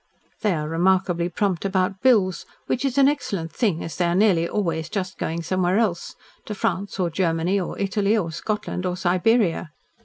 They are remarkably prompt about bills which is an excellent thing, as they are nearly always just going somewhere else, to France or Germany or Italy or Scotland or Siberia.